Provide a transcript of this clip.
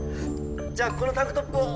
じゃあこのタンクトップを。